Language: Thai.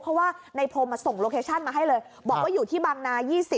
เพราะว่าในพรมส่งโลเคชั่นมาให้เลยบอกว่าอยู่ที่บางนา๒๐